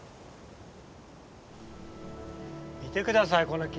見て下さいこの木。